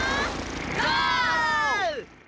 ゴー！